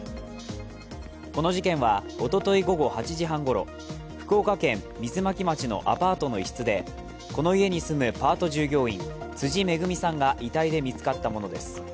この事件はおととい午後８時半ごろ、福岡県水巻町のアパートの一室でこの家に住むパート従業員辻つぐみさんが遺体で見つかったものです。